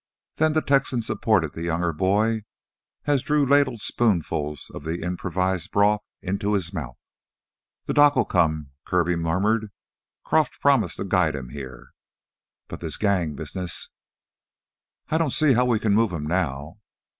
Then the Texan supported the younger boy as Drew ladled spoonfuls of the improvised broth into his mouth. "Th' doc'll come," Kirby murmured. "Croff promised to guide him heah. But this gang business " "I don't see how we can move him now...."